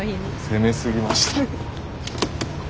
攻めすぎました。